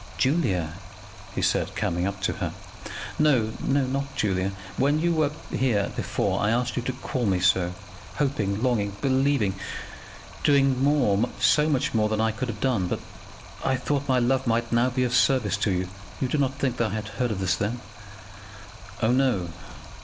"Julia," he said, coming up to her. "No; not Julia. When you were here before I asked you to call me so, hoping, longing, believing, doing more, so much more than I could have done, but that I thought my love might now be of service to you. You do not think that I had heard of this then?" "Oh, no."